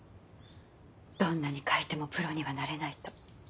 どんなに書いてもプロにはなれないと。